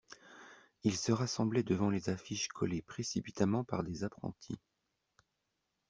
Ils se rassemblaient devant les affiches collées précipitamment par des apprentis.